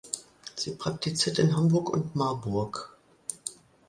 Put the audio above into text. Sie praktiziert in Hamburg und Marburg.